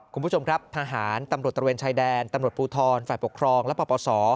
คุณผู้ชมครับทหารตำรวจตระเวนชายแดนตำรวจภูทรฝ่ายปกครองและปปศ